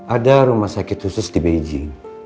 ada rumah sakit khusus di beijing